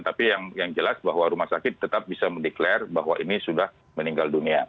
jadi yang jelas bahwa rumah sakit tetap bisa mendeklarasi bahwa ini sudah meninggal dunia